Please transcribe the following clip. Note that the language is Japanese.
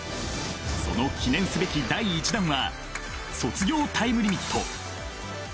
その記念すべき第１弾は「卒業タイムリミット」。